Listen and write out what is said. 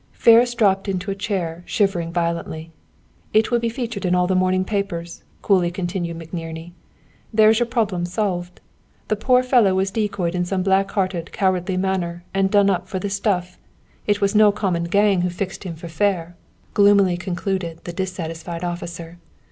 Ferris dropped into a chair, shivering violently. "It will be featured in all the morning papers," coolly continued McNerney. "There's your problem solved. The poor fellow was decoyed in some black hearted, cowardly manner and done up for the stuff. It was no common gang who fixed him for fair," gloomily concluded the dissatisfied officer.